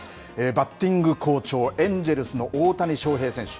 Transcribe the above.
バッティング好調、エンジェルスの大谷翔平選手。